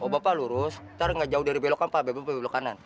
bapak lurus ntar gak jauh dari belokan pak belok kanan